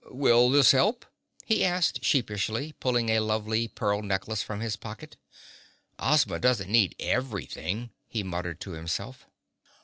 "Will this help?" he asked sheepishly, pulling a lovely pearl necklace from his pocket. "Ozma doesn't need everything," he muttered to himself.